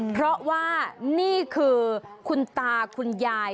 เพราะว่านี่คือคุณตาคุณยาย